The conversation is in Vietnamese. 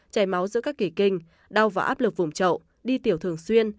chảy máu giữa các kỳ kinh đau và áp lực vùng trậu đi tiểu thường xuyên